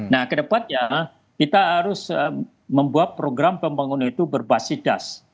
nah kedepannya kita harus membuat program pembangunan itu berbasis das